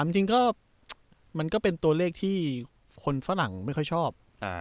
๑๓จริงก็เป็นตัวเลขที่คนฝนังไม่ค่อยชอบ